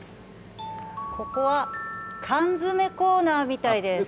ここは缶詰コーナーみたいです。